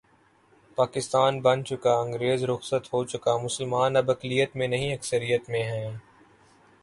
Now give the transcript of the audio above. پاکستان بن چکا انگریز رخصت ہو چکا مسلمان اب اقلیت میں نہیں، اکثریت میں ہیں۔